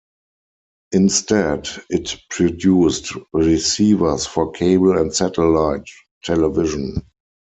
Instead, it produced receivers for cable and satellite television.